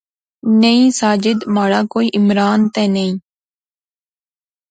نئیں ساجد مہاڑا کوئی عمران تے نئیں